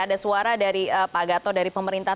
ada suara dari pak gatot dari pemerintah